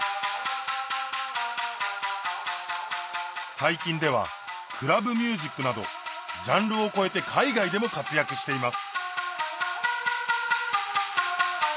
最近ではクラブミュージックなどジャンルを超えて海外でも活躍しています